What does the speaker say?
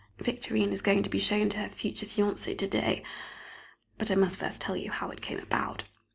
Victorine is going to be shown to her future fiancé to day, but I must first tell you how it came about.